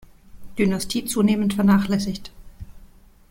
Dynastie zunehmend vernachlässigt.